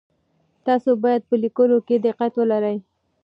تاسو باید په لیکلو کي دقت ولرئ.